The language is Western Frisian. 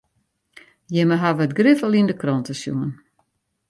Jimme hawwe it grif al yn de krante sjoen.